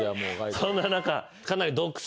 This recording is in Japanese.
そんな中かなり。